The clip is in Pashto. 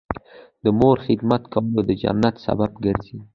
د مور خدمت کول د جنت سبب ګرځي